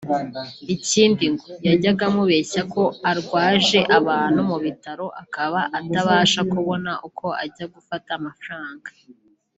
Ikindi ngo yajyaga amubeshya ko arwaje abantu mu bitaro akaba atabasha kubona uko ajya gufata amafaranga